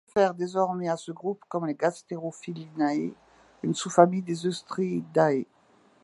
On réfère désormais à ce groupe comme les Gasterophilinae, une sous-famille des Oestridae.